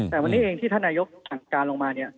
แต่วันนี้เองที่ท่านนายกสั่งการลงมาเนี่ย